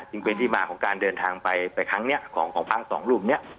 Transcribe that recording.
จริงเป็นที่มาของการเดินทางไปไปครั้งเนี่ยของพระสองรูปเนี่ย